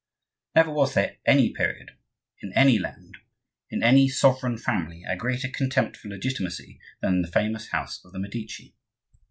Never was there any period, in any land, in any sovereign family, a greater contempt for legitimacy than in the famous house of the Medici.